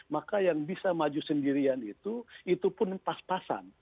maka yang bisa maju sendirian itu itu pun pas pasan